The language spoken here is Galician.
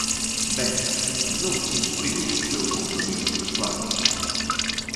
Ben, non cumpriu o seu compromiso persoal.